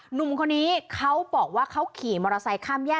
หนุ่มคนนี้เขาบอกว่าเขาขี่มอเตอร์ไซค์ข้ามแยก